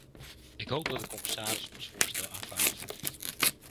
Ik hoop dat de commissaris ons voorstel aanvaardt.